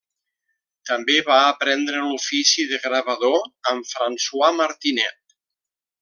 També va aprendre l'ofici de gravador amb François Martinet.